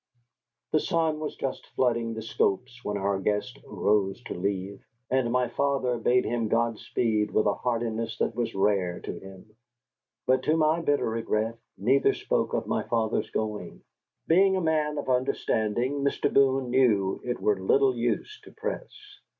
The sun was just flooding the slopes when our guest arose to leave, and my father bade him God speed with a heartiness that was rare to him. But, to my bitter regret, neither spoke of my father's going. Being a man of understanding, Mr. Boone knew it were little use to press.